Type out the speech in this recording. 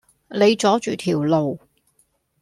你阻住條路